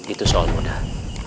itu soal mudah